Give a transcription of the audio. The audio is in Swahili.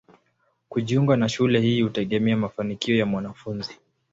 Kujiunga na shule hii hutegemea mafanikio ya mwanafunzi.